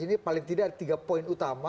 ini paling tidak ada tiga poin utama